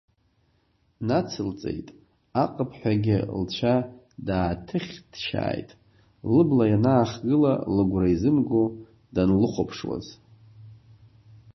Нацылҵеит, аҟыԥҳәагьы лцәа дааҭыхьҭшьааит, лыбла ианаахгыла лыгәра изымго данлыхәаԥшуаз…